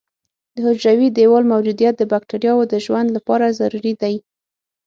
د حجروي دیوال موجودیت د بکټریاوو د ژوند لپاره ضروري دی.